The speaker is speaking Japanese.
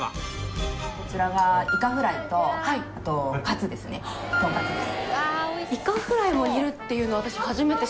こちらがイカフライとあとかつですねとんかつです。